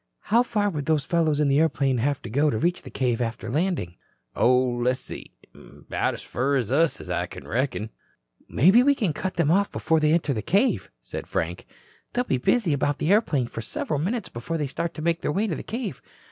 "How far would those fellows in the airplane have to go to reach the cave after landing?" "Oh, le's see. 'Bout as fur as us, I reckon." "Maybe we can cut them off before they enter the cave," said Frank. "They'll be busy about the airplane for several minutes before they start to make their way to the cave.